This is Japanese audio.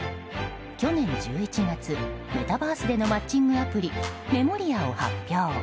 去年１１月メタバースでのマッチングアプリメモリアを発表。